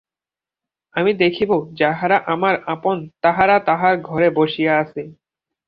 আমি দেখিব যাহারা আমার আপন তাহারা তাঁহার ঘরে বসিয়া আছে।